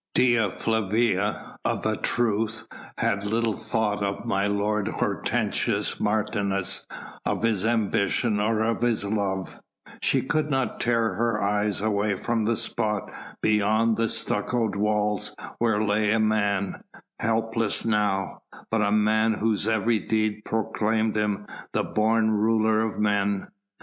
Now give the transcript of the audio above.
Dea Flavia, of a truth, had little thought of my lord Hortensius Martius, of his ambition or of his love; she could not tear her eyes away from the spot beyond the stuccoed walls where lay a man helpless now but a man whose every deed proclaimed him the born ruler of men.